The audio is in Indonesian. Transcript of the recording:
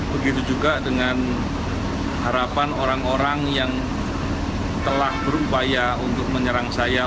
begitu juga dengan harapan orang orang yang telah berupaya untuk menyerang saya